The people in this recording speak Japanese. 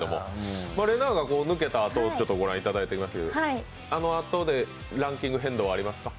れなぁが抜けたあと、御覧いただきましたけどあのあとでランキング変動はありますか？